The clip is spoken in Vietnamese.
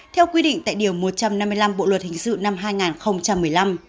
theo quy định tại điều một trăm năm mươi năm bộ luật hình sự năm hai nghìn một mươi năm